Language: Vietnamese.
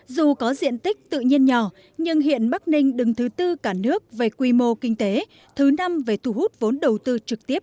dù có diện tích tự nhiên nhỏ nhưng hiện bắc ninh đứng thứ tư cả nước về quy mô kinh tế thứ năm về thu hút vốn đầu tư trực tiếp